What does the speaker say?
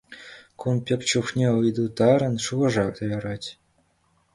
Кун пек чухне ыйту тарӑн шухӑша ярать.